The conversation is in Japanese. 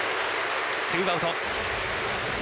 ツーアウト。